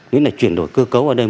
những cái chuyển đổi cơ cấu ở đây